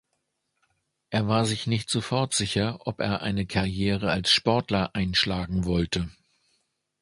Er war sich nicht sofort sicher, ob er eine Karriere als Sportler einschlagen wollte.